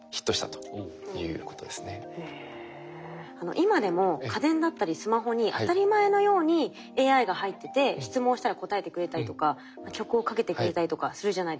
今でも家電だったりスマホに当たり前のようにＡＩが入ってて質問したら答えてくれたりとか曲をかけてくれたりとかするじゃないですか。